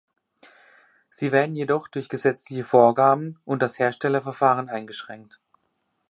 Sie werden jedoch durch gesetzliche Vorgaben und das Herstellverfahren eingeschränkt.